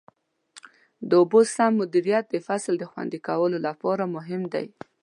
د اوبو سم مدیریت د فصل د خوندي کولو لپاره مهم دی.